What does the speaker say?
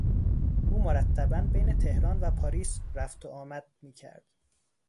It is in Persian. او مرتبا بین تهران و پاریس رفت و آمد میکرد.